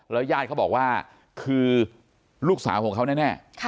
แล้วย่าดเขาบอกว่าคือลูกสาวของเขาแน่